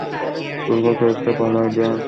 তোর কাছে এর চেয়ে ভালো আইডিয়া আছে?